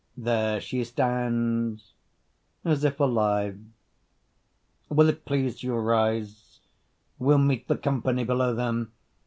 There she stands As if alive. Will't please you rise? We'll meet The company below, then.